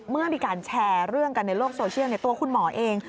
เมื่อมีการแชร์เรื่องกันในโลกโซเชียลตัวคุณหมอเอง